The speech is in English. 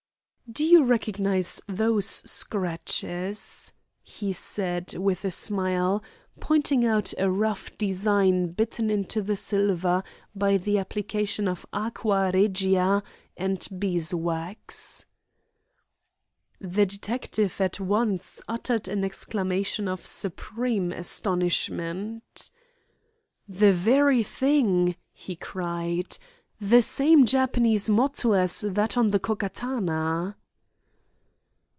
"Do you recognise those scratches?" he said, with a smile, pointing out a rough design bitten into the silver by the application of aqua regia and beeswax. The detective at once uttered an exclamation of supreme astonishment. "The very thing!" he cried. "The same Japanese motto as that on the Ko Katana!"